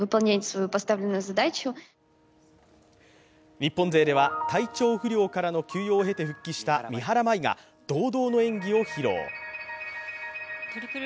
日本勢では体調不良からの休養を経て復帰した三原舞依が堂々の演技を披露。